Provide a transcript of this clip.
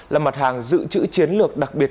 là mặt hàng giữ chữ chiến lược đặc biệt